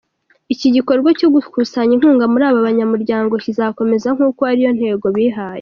Iki gikorwa cyo gukusanya inkunga muri aba banyamuryango kizakomeza, nk’uko ariyo ntego bihaye.